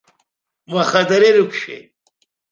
Уаха дара ирықәшәеит.